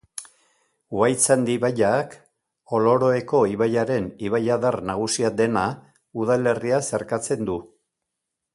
Uhaitzandi ibaiak, Oloroeko ibaiaren ibaiadar nagusia dena, udalerria zeharkatzen du.